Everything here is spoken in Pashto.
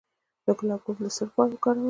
د ګلاب ګل د څه لپاره وکاروم؟